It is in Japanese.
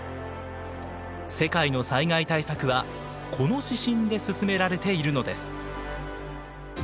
世界の災害対策はこの指針で進められているのです。